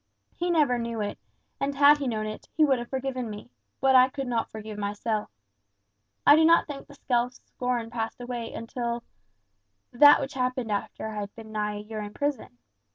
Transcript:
He never knew it; and had he known it, he would have forgiven me; but I could not forgive myself. I do not think the self scorn passed away until that which happened after I had been nigh a year in prison.